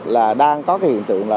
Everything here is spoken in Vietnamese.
là đang có cái hiện tượng là